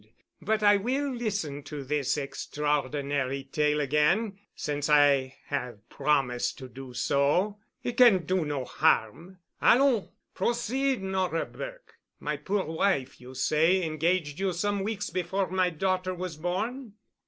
But I will listen to this extraordinary tale again, since I have promised to do so. It can do no harm. Allons! Proceed, Nora Burke. My poor wife, you say, engaged you some weeks before my daughter was born?"